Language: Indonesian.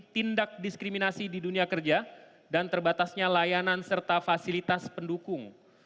tindak diskriminasi di dunia kerja dan terbatasnya layanan serta fasilitas pendukung